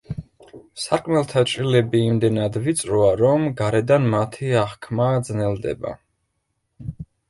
სარკმელთა ჭრილები იმდენად ვიწროა, რომ გარედან მათი აღქმა ძნელდება.